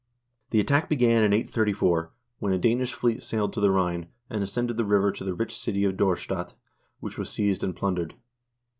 The attack began in 834, when a Danish fleet sailed to the Rhine, and ascended the river to the rich city of Dorstadt, which was seized and plundered.